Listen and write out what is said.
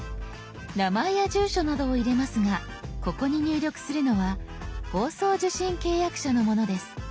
名前や住所などを入れますがここに入力するのは放送受信契約者のものです。